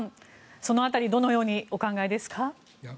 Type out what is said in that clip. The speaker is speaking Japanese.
その辺り、どのようにお考えですか？